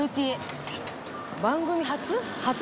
番組初？